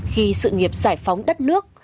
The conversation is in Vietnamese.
khi sự nghiệp giải phóng đất nước